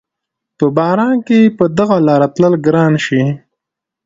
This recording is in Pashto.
په باران کښې په دغه لاره تلل ګران شي